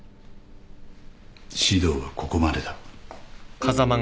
指導はここまでだ。